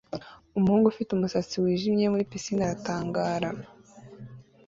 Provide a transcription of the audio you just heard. Umuhungu ufite umusatsi wijimye muri pisine aratangara